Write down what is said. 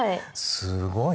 すごい。